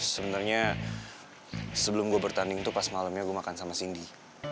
sebenernya sebelum gua bertanding tuh pas malemnya gua makan sama cindy